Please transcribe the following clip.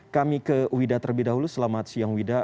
kami ke wida terlebih dahulu selamat siang wida